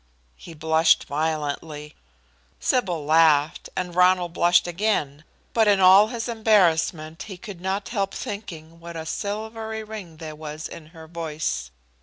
He blushed violently. Sybil laughed, and Ronald blushed again, but in all his embarrassment lie could not help thinking what a silvery ring there was in her voice.